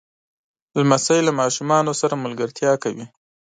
لمسی له ماشومانو سره ملګرتیا کوي.